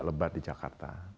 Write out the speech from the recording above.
lebat di jakarta